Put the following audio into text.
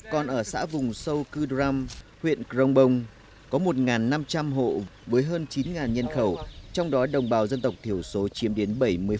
còn ở xã vùng sâu cư đram huyện crong bông có một năm trăm linh hộ với hơn chín nhân khẩu trong đó đồng bào dân tộc thiểu số chiếm đến bảy mươi